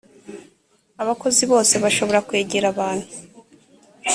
abakozi bose bashobora kwegera abantu